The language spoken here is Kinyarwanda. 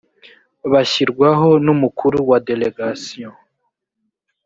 bashyirwaho n umukuru wa delegation